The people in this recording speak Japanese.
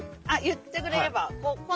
言ってくれれば。